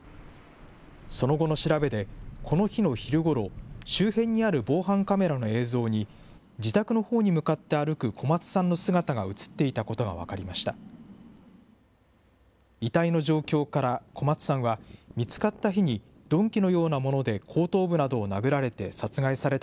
その後の調べで、この日の昼ごろ、周辺にある防犯カメラの映像に、自宅のほうに向かって歩く小松さんの姿が写っていたことが分かりました。